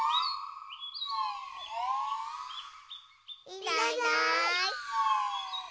いないいない。